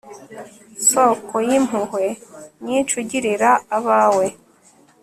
soko y'impuhwe nyinshi ugirira abawe